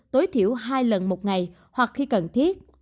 tối thiểu hai lần một ngày hoặc khi cần thiết